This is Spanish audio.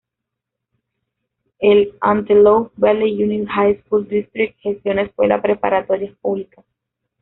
El "Antelope Valley Union High School District" gestiona escuelas preparatorias públicas.